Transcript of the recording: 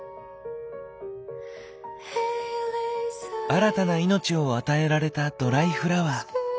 新たな命を与えられたドライフラワー。